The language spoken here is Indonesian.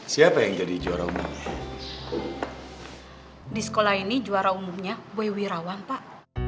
siapa yang jadi juara umum di sekolah ini juara umumnya boy wirawan pak